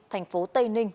thành phố tây ninh